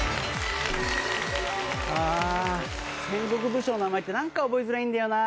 ああ戦国武将の名前ってなんか覚えづらいんだよな。